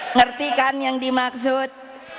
ngerti kan yang dimaksud